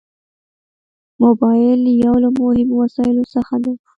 موبایل یو له مهمو وسایلو څخه دی.